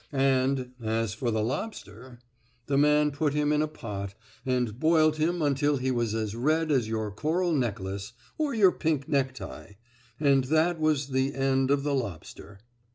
And, as for the lobster, the man put him in a pot and boiled him until he was as red as your coral necklace, or your pink necktie, and that was the end of the lobster.